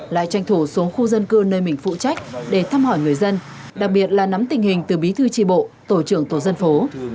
lại tranh thủ xuống khu dân cư nơi mình phụ trách để thăm hỏi người dân đặc biệt là nắm tình hình từ bí thư tri bộ tổ trưởng tổ dân phố